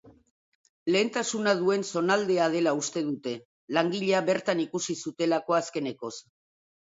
Lehentasuna duen zonaldea dela uste dute, langilea bertan ikusi zutelako azkenekoz.